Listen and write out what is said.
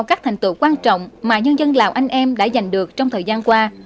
đây là một thành tựu quan trọng mà nhân dân lào anh em đã giành được trong thời gian qua